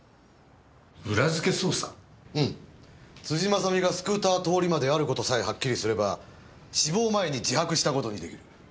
辻正巳がスクーター通り魔である事さえはっきりすれば死亡前に自白した事に出来る。